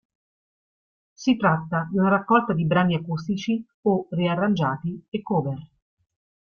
Si tratta di una raccolta di brani acustici o riarrangiati e cover.